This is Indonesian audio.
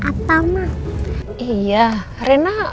iya reina pernah naik mobil bareng terus mobilnya jalan reina ketakutan